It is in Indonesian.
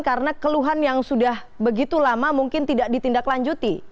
karena keluhan yang sudah begitu lama mungkin tidak ditindaklanjuti